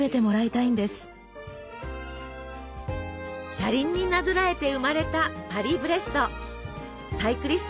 車輪になぞらえて生まれたパリブレスト。